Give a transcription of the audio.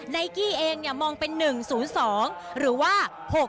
กี้เองมองเป็น๑๐๒หรือว่า๖๖